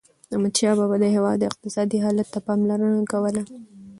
احمدشاه بابا د هیواد اقتصادي حالت ته پاملرنه کوله.